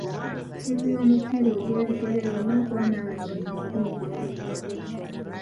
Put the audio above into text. Ttiimu y'omupiira ogw'ebigere erina okuba n'abazannyi kkumi n'omu.